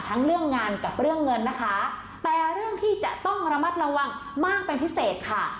เรื่องงานกับเรื่องเงินนะคะแต่เรื่องที่จะต้องระมัดระวังมากเป็นพิเศษค่ะ